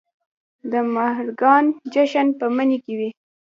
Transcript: د مهرګان جشن په مني کې و